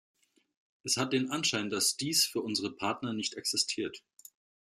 Es hat den Anschein, dass dies für unsere Partner nicht existiert.